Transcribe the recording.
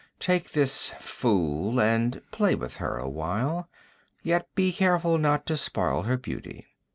'Take this fool, and play with her awhile. Yet be careful not to spoil her beauty.'